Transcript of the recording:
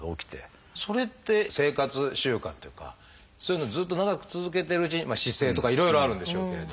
それって生活習慣というかそういうのをずっと長く続けてるうちに姿勢とかいろいろあるんでしょうけれど。